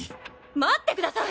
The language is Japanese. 待ってください！